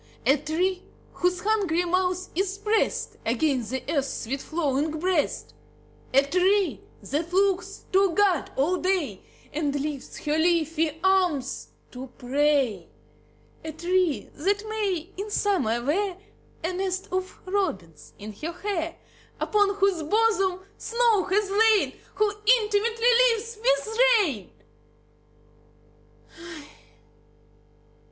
A tree whose hungry mouth is prest Against the earth's sweet flowing breast. A tree that looks to God all day, And lifts her leafy arms to pray. A tree that may in summer wear A nest of robins in her hair; Upon whose bosom snow has lain; Who intimately lives with rain.